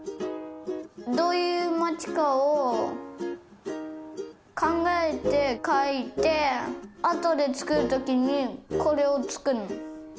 どういう町かをかんがえてかいてあとでつくるときにこれをつくるの。